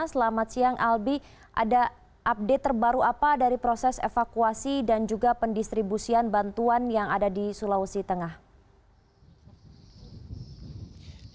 selamat siang albi ada update terbaru apa dari proses evakuasi dan juga pendistribusian bantuan yang ada di sulawesi tengah